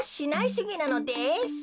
しゅぎなのです。